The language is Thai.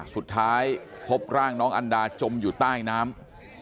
สุดท้ายพบร่างน้องอันดาจมอยู่ใต้น้ำ